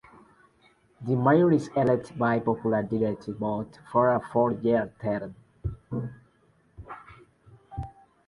The Mayor is elected by popular direct vote for a four-year term.